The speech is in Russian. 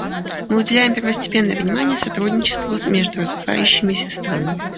Мы уделяем первостепенное внимание сотрудничеству между развивающимися странами.